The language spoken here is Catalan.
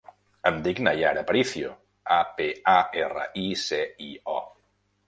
Em dic Naiara Aparicio: a, pe, a, erra, i, ce, i, o.